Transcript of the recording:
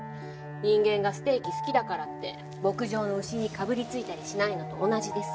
人間がステーキ好きだからって牧場の牛にかぶりついたりしないのと同じでさ。